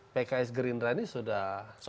pks gerindra ini sudah